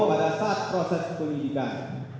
pada saat proses penyidikan